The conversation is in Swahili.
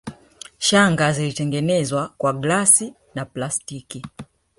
Shanga zilitengenezwa kwa glasi na plastiki